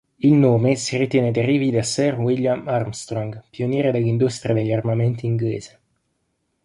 Il nome si ritiene derivi da sir William Armstrong, pioniere dell'industria degli armamenti inglese.